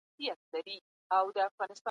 پناه غوښتونکی که مسلمان وي يا کافر، دا حق لري.